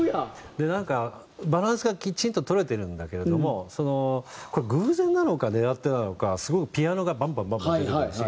でなんかバランスがきちんと取れてるんだけれどもそのこれ偶然なのか狙ってなのかすごくピアノがバンバンバンバン出てくるし。